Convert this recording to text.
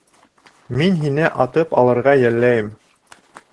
Мин һине атып алырға йәлләйем.